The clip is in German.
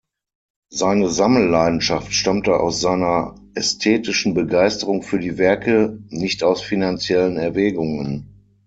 Seine Sammelleidenschaft stammte aus seiner ästhetischen Begeisterung für die Werke, nicht aus finanziellen Erwägungen.